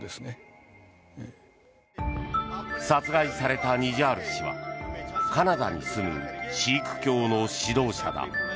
殺害されたニジャール氏はカナダに住むシーク教の指導者だ。